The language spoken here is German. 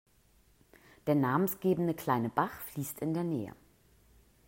Der namensgebende kleine Bach fließt in der Nähe.